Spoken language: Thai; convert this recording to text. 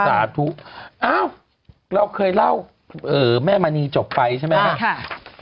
สาธุอ้าวเราเคยเล่าแม่มณีจบไปใช่ไหมครับ